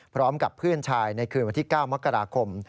พร้อมกับเพื่อนชายในคืนวันที่๙มกราคม